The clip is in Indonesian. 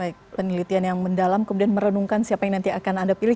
baik penelitian yang mendalam kemudian merenungkan siapa yang nanti akan anda pilih